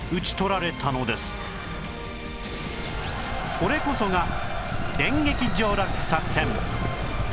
これこそが電撃上洛作戦